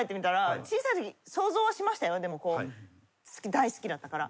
大好きだったから。